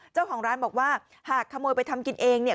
เจ้าของร้านบอกว่าหากขโมยไปทำกินเองเนี่ย